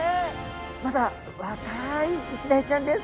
まだ若いイシダイちゃんです。